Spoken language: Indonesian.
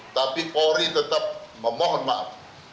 tapi polri tetap memohon maaf